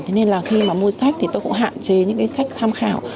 thế nên là khi mà mua sách thì tôi cũng hạn chế những cái sách tham khảo